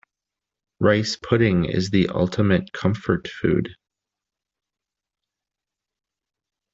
Rice pudding is the ultimate comfort food.